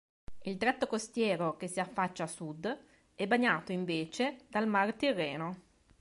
Il tratto costiero che si affaccia a sud è bagnato invece dal Mar Tirreno.